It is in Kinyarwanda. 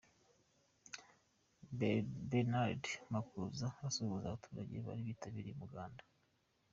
Bernard Makuza asuhuza abaturage bari bitabiriye umuganda.